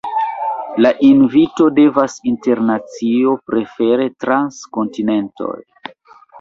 La invito devas internacio, prefere trans kontinentoj.